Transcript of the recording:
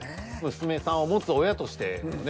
娘さんを持つ親としてねえ